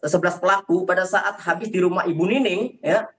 sebelas pelaku pada saat habis di rumah ibu nining ya